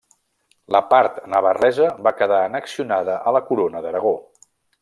La part navarresa va quedar annexionada a la corona d'Aragó.